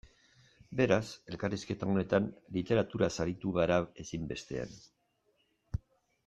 Beraz, elkarrizketa honetan, literaturaz aritu gara ezinbestean.